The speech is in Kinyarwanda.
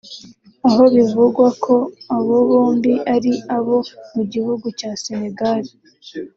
aho bivugwa ko aba bombi ari abo mu gihugu cya Senegal